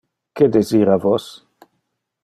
Que desira vos?